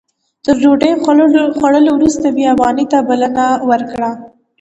تر ډوډۍ خوړلو وروسته بیاباني ته بلنه ورکړه.